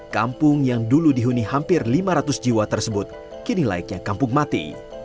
kampung yang dulu dihuni hampir lima ratus jiwa tersebut kini layaknya kampung mati